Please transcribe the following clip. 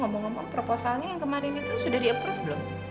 ngomong ngomong proposalnya yang kemarin itu sudah di approve belum